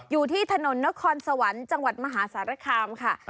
อยู่ที่ถนนนครสวรรค์จังหวัดมหาสารคามค่ะ